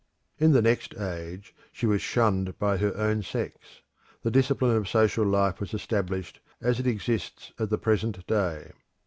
In the next age she was shunned by her own sex: the discipline of social life was established as it exists at the present day.